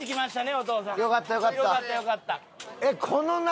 お父さん。